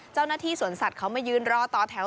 เจ้าหน้าที่สวนสัตว์เขามายืนรอต่อแถว